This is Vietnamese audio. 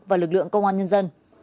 và lực lượng công an nhân dân